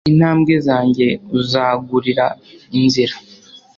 intambwe zanjye uzagurira inzira